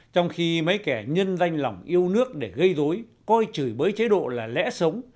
trong khi mấy kẻ nhân danh lòng yêu nước để gây dối coi chửi bới chế độ là lẽ sống